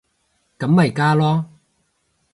咁咪加囉